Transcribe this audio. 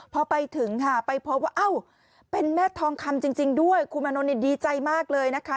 พอไปถึงค่ะไปพบว่าเอ้าเป็นแม่ทองคำจริงด้วยคุณอานนท์ดีใจมากเลยนะคะ